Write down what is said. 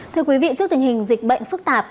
thưa quý vị trước tình hình dịch bệnh phức tạp